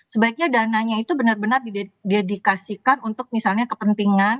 sebaiknya dananya itu benar benar didedikasikan untuk misalnya kepentingan